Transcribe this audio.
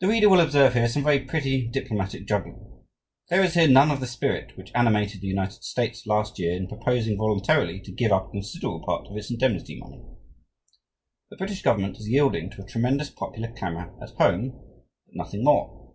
The reader will observe here some very pretty diplomatic juggling. There is here none of the spirit which animated the United States last year in proposing voluntarily to give up a considerable part of its indemnity money. The British government is yielding to a tremendous popular clamour at home; but nothing more.